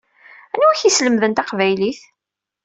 Anwi i k-yeslemden taqbaylit?